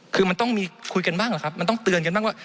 คือมันต้องมีคุยกันบ้างแหละครับมันต้องเตือนกันบ้างว่า